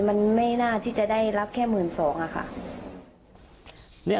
มันไม่น่าที่จะได้รับแค่๑๒๐๐บาทค่ะ